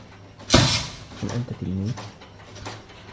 هل أنت تلميذ؟